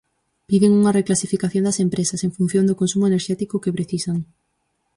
Piden unha reclasificación das empresas, en función do consumo enerxético que precisan.